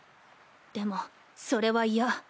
でもそれは嫌。